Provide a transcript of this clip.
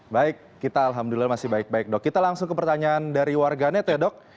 baik kita alhamdulillah masih baik baik dok kita langsung ke pertanyaan dari warganet ya dok